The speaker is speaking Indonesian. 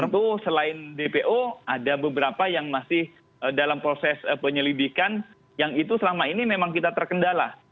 tentu selain dpo ada beberapa yang masih dalam proses penyelidikan yang itu selama ini memang kita terkendala